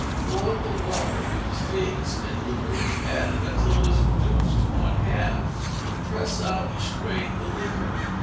Boil the water, with the figs and liquorice added, until it is reduced to one half; then press out and strain the liquor.